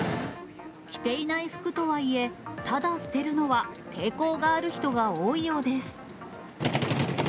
着ていない服とはいえ、ただ捨てるのは抵抗がある人が多いようです。